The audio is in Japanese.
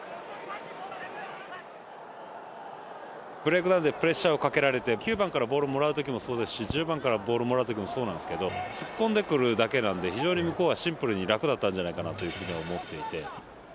ブレイクダウンでプレッシャーをかけられて９番からボールをもらうときもそうですし１０番からボールをもらうときもそうなんですけど、突っ込んでくるだけなんで非常に向こうはシンプルに楽だったんじゃないかなというふうに思っていて。